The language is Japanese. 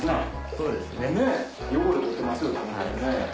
そうですね。